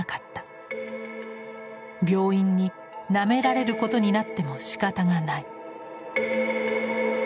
病院に「『なめられる』ことになってもしかたがない」。